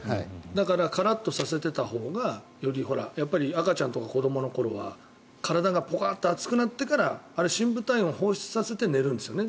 だから、カラッとさせてたほうが赤ちゃんとか子どもの頃は体がポカッと熱くなってからあれは深部体温を放出させてから寝るんですよね